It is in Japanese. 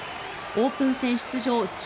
オープン戦出場